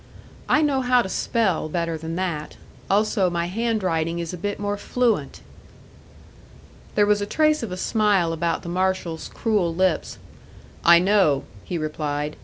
"I know how to spell better than that. Also my handwriting is a bit more fluent." There was a trace of a smile about the marshal's cruel lips. "I know," he replied.